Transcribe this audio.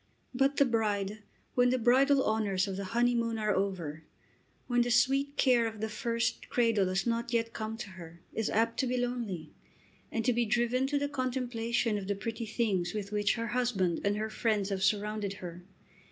But the bride, when the bridal honours of the honeymoon are over, when the sweet care of the first cradle has not yet come to her, is apt to be lonely and to be driven to the contemplation of the pretty things with which her husband and her friends have surrounded her.